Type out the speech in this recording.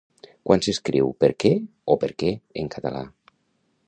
Quan s'escriu per què o perquè en català?